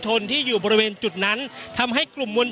อย่างที่บอกไปว่าเรายังยึดในเรื่องของข้อ